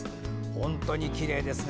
本当にきれいですね。